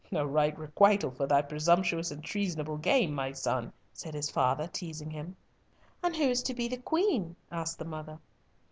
"A right requital for thy presumptuous and treasonable game, my son," said his father, teasing him. "And who is to be the Queen?" asked the mother.